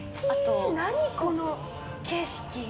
あと何この景色。